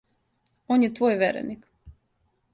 Он је твој вереник.